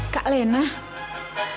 boleh tak ya